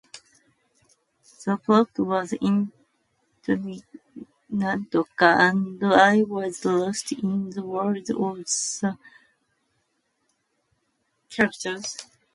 The plot was intriguing, and I was lost in the world of the characters.